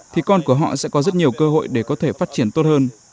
thì con của họ sẽ có rất nhiều cơ hội để có thể phát triển tốt hơn